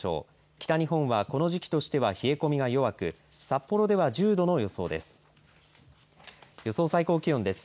北日本はこの時期としては冷え込みが弱く札幌では１０度の予想です。